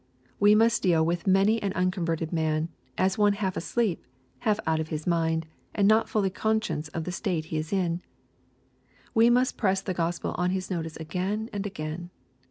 We must deal with many an unconverted man, as one half asleep, half out of his mind, and not fully conscious of the state he is in. We must press the Gospel on his notice again and again.